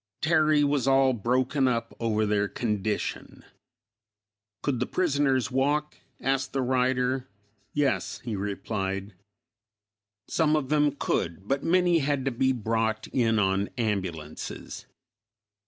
Terry was all broken up over their condition." "Could the prisoners walk?" asked the writer. "Yes," he replied; "some of them could, but many had to be brought in on ambulances."